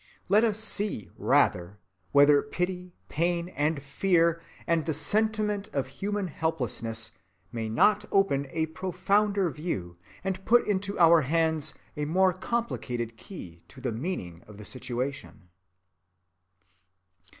Let us see rather whether pity, pain, and fear, and the sentiment of human helplessness may not open a profounder view and put into our hands a more complicated key to the meaning of the situation.